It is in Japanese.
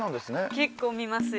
結構見ますよ。